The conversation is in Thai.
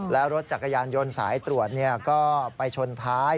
แล้วรถจักรยานยนต์สายตรวจก็ไปชนท้าย